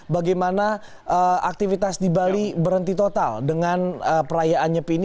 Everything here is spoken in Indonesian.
bagaimana aktivitas di bali berhenti total dengan perayaan nyepi ini